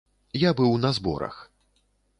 Я быў на зборах.